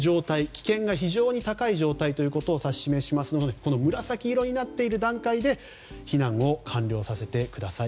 危険が非常に高い状態を指し示しますので紫色になっている段階で避難を完成させてください。